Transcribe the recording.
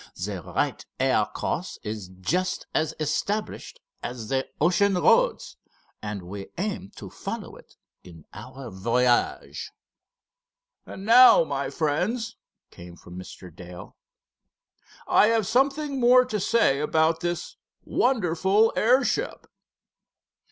The right air course is just as established as the ocean roads, and we aim to follow it in our voyage." "And now, my friends," came from Mr. Dale. "I have something more to say about this wonderful airship."